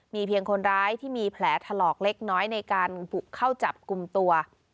มีเพียงคนร้ายที่มีแผลถลอกเล็กน้อยในการบุกเข้าจับกลุ่มตัว